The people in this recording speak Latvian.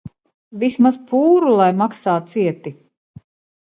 Vismaz pūru lai maksā cieti.